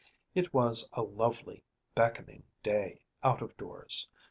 It was a lovely beckoning day out of doors.